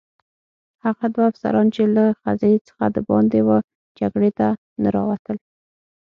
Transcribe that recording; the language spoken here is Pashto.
هغه دوه افسران چې له خزې څخه دباندې وه جګړې ته نه راوتل.